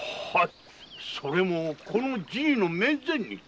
それもこのじいの面前にて。